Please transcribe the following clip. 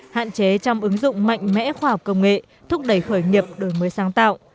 hạn chế trong ứng dụng mạnh mẽ khoa học công nghệ thúc đẩy khởi nghiệp đổi mới sáng tạo